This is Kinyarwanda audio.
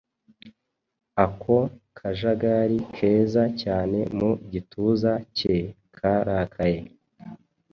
Ako kajagari keza cyane mu gituza cye karakaye